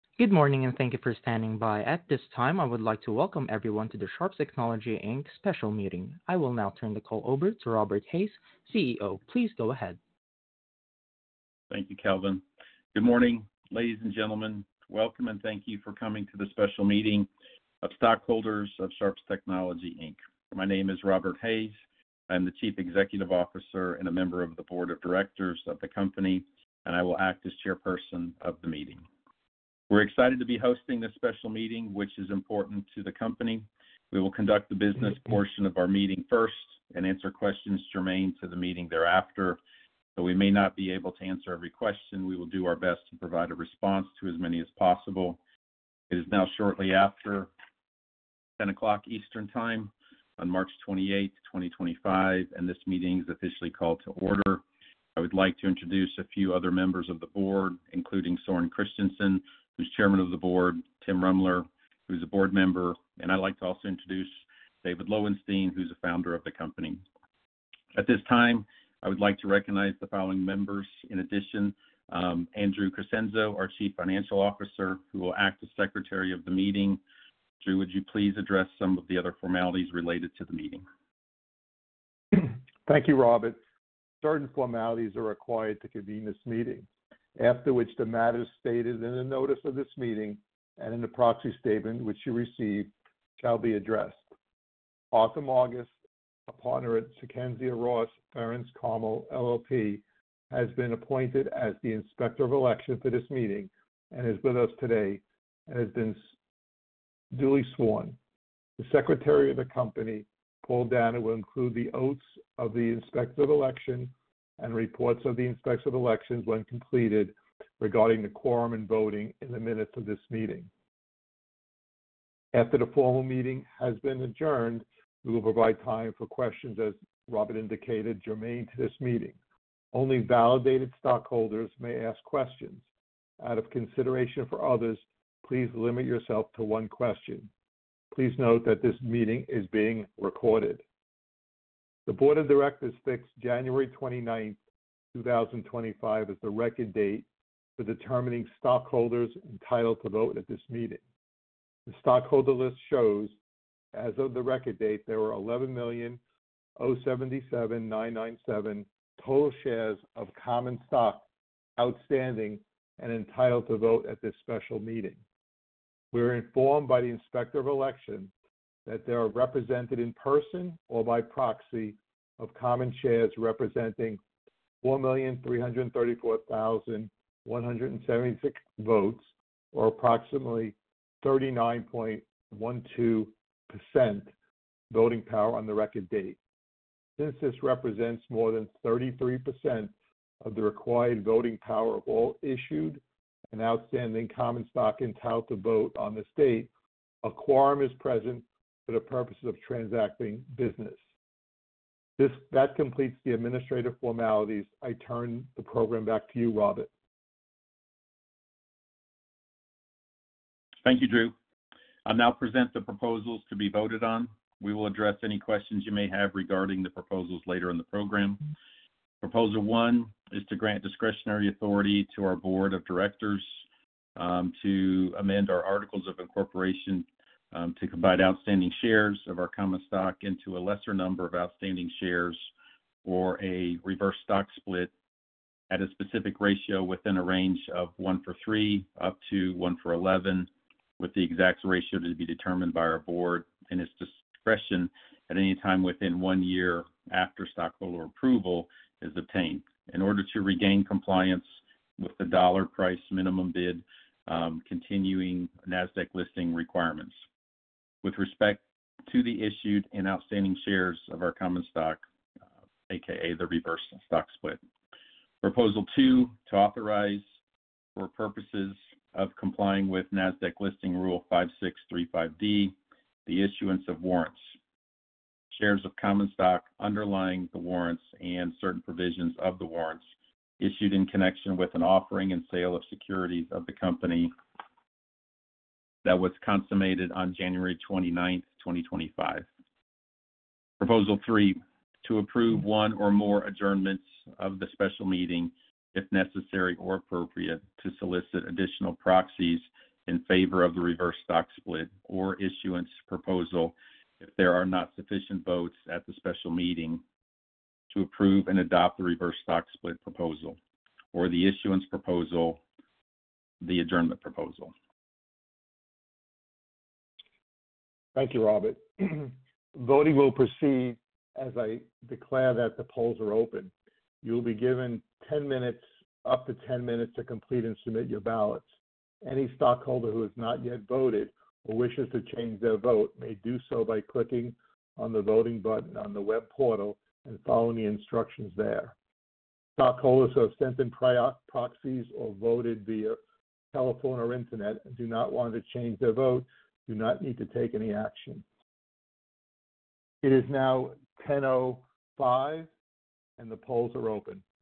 Good morning and thank you for standing by. At this time, I would like to welcome everyone to the Sharps Technology special meeting. I will now turn the call over to Robert Hayes, CEO. Please go ahead. Thank you, Kelvin. Good morning, ladies and gentlemen. Welcome and thank you for coming to the special meeting of stockholders of Sharps Technology. My name is Robert Hayes. I'm the Chief Executive Officer and a member of the board of directors of the company, and I will act as chairperson of the meeting. We're excited to be hosting this special meeting, which is important to the company. We will conduct the business portion of our meeting first and answer questions germane to the meeting thereafter. Though we may not be able to answer every question, we will do our best to provide a response to as many as possible. It is now shortly after 10:00 A.M. Eastern Time on March 28, 2025, and this meeting is officially called to order. I would like to introduce a few other members of the board, including Soren Christiansen, who's chairman of the board, Tim Ruemler, who's a board member, and I'd like to also introduce David Lowenstein, who's a founder of the company. At this time, I would like to recognize the following members. In addition, Andrew Crescenzo, our Chief Financial Officer, who will act as secretary of the meeting. Drew, would you please address some of the other formalities related to the meeting? Thank you, Robert. Certain formalities are required to convene this meeting, after which the matters stated in the notice of this meeting and in the proxy statement which you received shall be addressed. Authum August Apponeant Sichenzia Ross Ference Carmel LLP, has been appointed as the inspector of election for this meeting and is with us today and has been duly sworn. The Secretary of the company, Paul Denneau, will include the oaths of the inspector of election and reports of the inspector of election when completed regarding the quorum and voting in the minutes of this meeting. After the formal meeting has been adjourned, we will provide time for questions, as Robert indicated, germane to this meeting. Only validated stockholders may ask questions. Out of consideration for others, please limit yourself to one question. Please note that this meeting is being recorded. The board of directors fixed January 29, 2025, as the record date for determining stockholders entitled to vote at this meeting. The stockholder list shows, as of the record date, there were 11,077,997 total shares of common stock outstanding and entitled to vote at this special meeting. We're informed by the inspector of election that they are represented in person or by proxy of common shares representing 4,334,176 votes or approximately 39.12% voting power on the record date. Since this represents more than 33% of the required voting power of all issued and outstanding common stock entitled to vote on this date, a quorum is present for the purposes of transacting business. That completes the administrative formalities. I turn the program back to you, Robert. Thank you, Andrew. I'll now present the proposals to be voted on. We will address any questions you may have regarding the proposals later in the program. Proposal one is to grant discretionary authority to our board of directors to amend our articles of incorporation to combine outstanding shares of our common stock into a lesser number of outstanding shares or a reverse stock split at a specific ratio within a range of one for three up to one for eleven, with the exact ratio to be determined by our board and its discretion at any time within one year after stockholder approval is obtained, in order to regain compliance with the dollar price minimum bid, continuing NASDAQ listing requirements with respect to the issued and outstanding shares of our common stock, a.k.a. the reverse stock split. Proposal two to authorize for purposes of complying with NASDAQ listing rule 5635D, the issuance of warrants, shares of common stock underlying the warrants and certain provisions of the warrants issued in connection with an offering and sale of securities of the company that was consummated on January 29, 2025. Proposal three to approve one or more adjournments of the special meeting if necessary or appropriate to solicit additional proxies in favor of the reverse stock split or issuance proposal if there are not sufficient votes at the special meeting to approve and adopt the reverse stock split proposal or the issuance proposal, the adjournment proposal. Thank you, Robert. Voting will proceed as I declare that the polls are open. You'll be given 10 minutes, up to 10 minutes, to complete and submit your ballots. Any stockholder who has not yet voted or wishes to change their vote may do so by clicking on the voting button on the web portal and following the instructions there. Stockholders who have sent in proxies or voted via telephone or internet and do not want to change their vote do not need to take any action. It is now 10:05 A.M., and the polls are open.